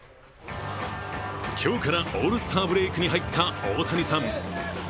今日からオールスターブレークに入った大谷さん。